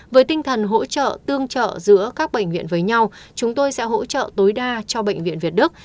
với tinh thần hỗ trợ tương trợ giữa các bệnh viện với nhau chúng tôi sẽ hỗ trợ tối đa cho bệnh viện việt đức